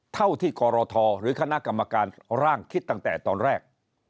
เท่าที่กรทหรือคณะกรรมการร่างคิดตั้งแต่ตอนแรก